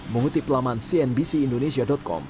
mengutip laman cnbcindonesia com